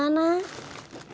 bila ini ga ada jawabannya